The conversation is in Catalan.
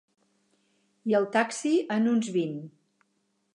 I el taxi en uns vint.